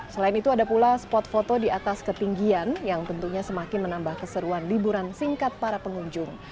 selain itu ada pula spot foto di atas ketinggian yang tentunya semakin menambah keseruan liburan singkat para pengunjung